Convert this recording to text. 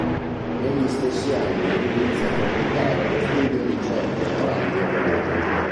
Negli stessi anni inizia a frequentare lo studio di Giorgio Morandi a Bologna.